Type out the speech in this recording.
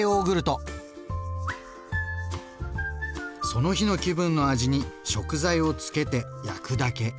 その日の気分の味に食材を漬けて焼くだけ。